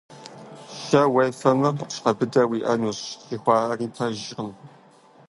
Шэ уефэмэ къупщхьэ быдэ уиӀэнущ жыхуаӀэри пэжкъым.